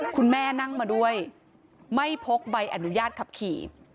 คุณแม่นั่งมาด้วยไม่พกใบอนุญาตขับขี่